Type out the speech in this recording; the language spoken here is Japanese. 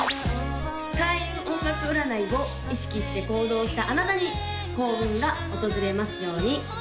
開運音楽占いを意識して行動したあなたに幸運が訪れますように！